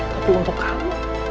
tapi untuk kamu